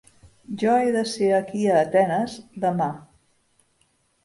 Jo he de ser aquí a Atenes, demà.